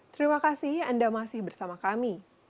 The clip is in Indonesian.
terima kasih anda masih bersama kami